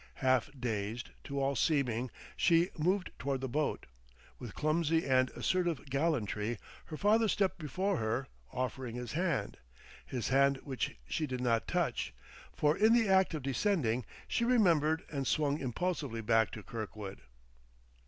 Half dazed, to all seeming, she moved toward the boat. With clumsy and assertive gallantry her father stepped before her, offering his hand, his hand which she did not touch; for, in the act of descending, she remembered and swung impulsively back to Kirkwood.